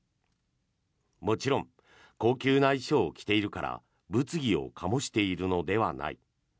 もちろん高級な衣装を着ているから物議を醸しているのではない。